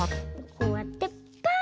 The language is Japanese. こうやってパッと。